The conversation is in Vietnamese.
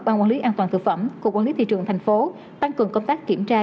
ban quản lý an toàn thực phẩm cục quản lý thị trường thành phố tăng cường công tác kiểm tra